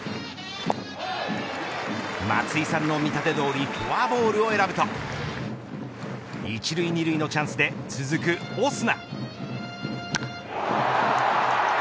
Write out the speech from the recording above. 松井さんの見立てどおりフォアボールを選ぶと１塁２塁のチャンスで続くオスナ。